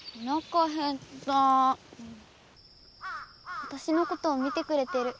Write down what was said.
わたしのことを見てくれてる。